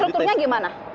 kalau strukturnya gimana